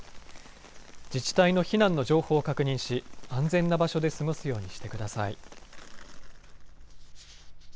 自治体の避難の情報を確認し、安全な場所で過ごすようにしてください。